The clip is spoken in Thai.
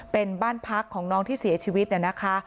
เป็นบ้านพักของน้องที่เสียชีวิตเนี่ยนะคะ